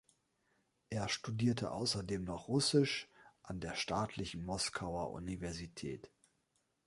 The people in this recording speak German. Er studierte außerdem noch Russisch an der Staatlichen Moskauer Universität.